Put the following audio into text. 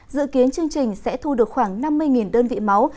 dự kiến chương trình sẽ thu được khoảng năm mươi đơn vị máu